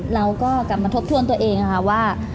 เราก็กลับมาทบทวนตัวเองนะคะว่า